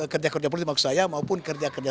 kerja kerja politik maksud saya maupun kerja kerja